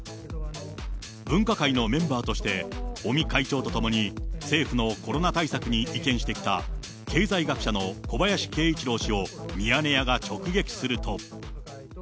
分科会のメンバーとして、尾身会長と共に政府のコロナ対策に意見してきた、経済学者の小林慶一郎氏をミヤネ屋が直撃すると。